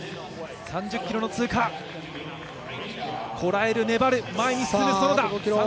３０ｋｍの通過、こらえる、粘る、前へ進む園田。